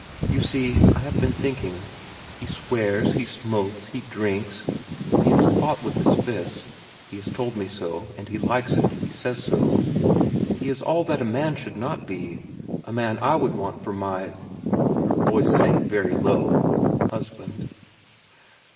You see, I have been thinking. He swears, he smokes, he drinks, he has fought with his fists (he has told me so, and he likes it; he says so). He is all that a man should not be—a man I would want for my—" her voice sank very low—"husband.